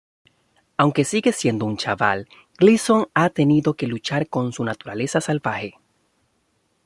Aunque sigue siendo un chaval, Gleason ha tenido que luchar con su naturaleza salvaje.